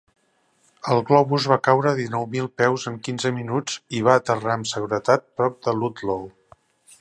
El globus va caure dinou mil peus en quinze minuts, i va aterrar amb seguretat prop de Ludlow.